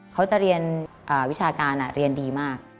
เขาจะเรียนวิชาการเรียนดีมาก